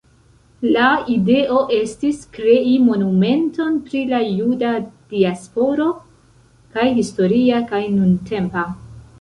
La ideo estis krei monumenton pri la juda diasporo kaj historia kaj nuntempa.